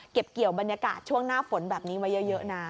เกี่ยวบรรยากาศช่วงหน้าฝนแบบนี้ไว้เยอะนะ